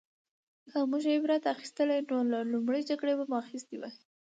که موږ عبرت اخیستلی نو له لومړۍ جګړې به مو اخیستی وای